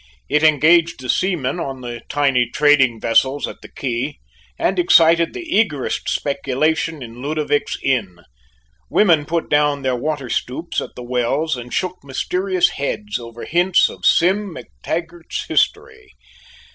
It engaged the seamen on the tiny trading vessels at the quay, and excited the eagerest speculation in Ludovic's inn. Women put down their water stoups at the wells and shook mysterious heads over hints of Sim MacTaggart's history.